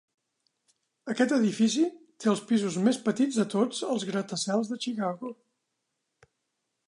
Aquest edifici té els pisos més petits de tots els gratacels de Chicago.